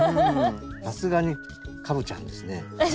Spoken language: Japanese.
さすがにカブちゃんですね。